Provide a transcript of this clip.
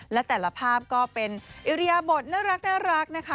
และแต่ละภาพก็เป็นอิริยบทน่ารักนะคะ